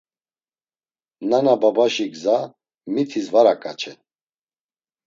Nana babaşi gza mitis var aǩaçen.